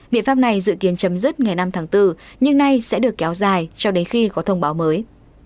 biện pháp này dự kiến chấm dứt ngày năm tháng bốn nhưng nay sẽ được kéo dài cho đến khi có thông báo mới